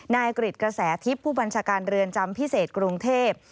นายกริจกระแสทิพย์ผู้บัญชาการเรือนจำพิเศษกรุงเทพ